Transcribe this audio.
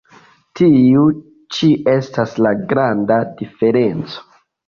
Tiu ĉi estas la granda diferenco.